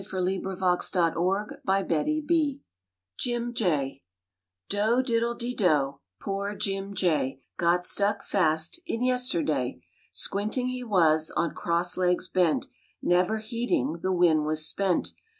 Robert Graves RAINBOW GOLD JIM JAY Do diddle di do, Poor Jim Jay Got stuck fast In Yesterday. Squinting he was, On cross legs bent, Never heeding The wind was spent.